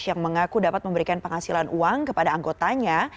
yang mengaku dapat memberikan penghasilan uang kepada anggotanya